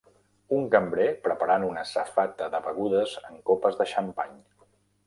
Un cambrer preparant una safata de begudes en copes de xampany.